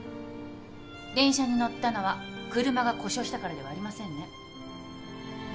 電車に乗ったのは車が故障したからではありませんね？